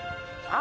あ！